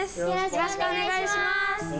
よろしくお願いします！